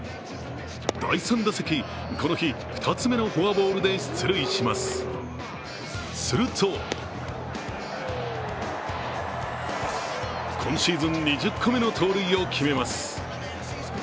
第３打席、この日、２つ目のフォアボールで出塁します、すると今シーズン２０個目の盗塁を決めます。